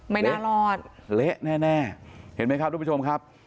ไม่น่ารอดเละแน่เห็นไหมครับทุกผู้ชมครับ